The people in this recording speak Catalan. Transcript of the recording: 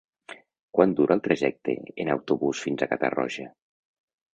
Quant dura el trajecte en autobús fins a Catarroja?